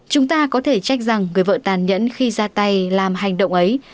chúng ta có thể chắc rằng người vợ tàn nhẫn khi ra tay làm hành động ấy